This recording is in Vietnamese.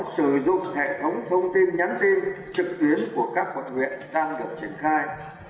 sử dụng hệ thống thông tin nhắn tin trực tuyến của các quận huyện đang được triển khai